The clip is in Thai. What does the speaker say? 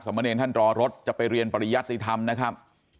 เนรท่านรอรถจะไปเรียนปริยัติธรรมนะครับ